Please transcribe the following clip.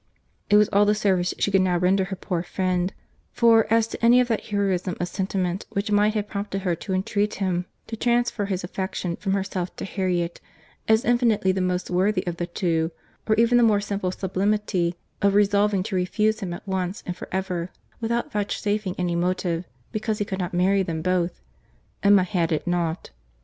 —It was all the service she could now render her poor friend; for as to any of that heroism of sentiment which might have prompted her to entreat him to transfer his affection from herself to Harriet, as infinitely the most worthy of the two—or even the more simple sublimity of resolving to refuse him at once and for ever, without vouchsafing any motive, because he could not marry them both, Emma had it not.